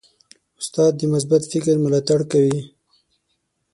استاد د مثبت فکر ملاتړ کوي.